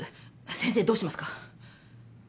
先生どうしますか？